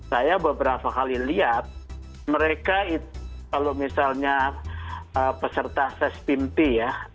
saya beberapa kali lihat mereka itu kalau misalnya peserta ses pimpt ya